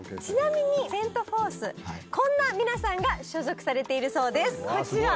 ちなみにセント・フォースこんな皆さんが所属されているそうです。